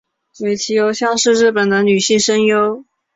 尾崎由香是日本的女性声优。